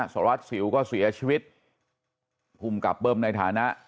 สารวัสสิวก็เสียชีวิตภูมิกับเบิ้มในฐานะ